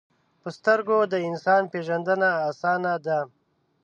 په سترګو د انسان پیژندنه آسانه ده